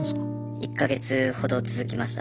１か月ほど続きました。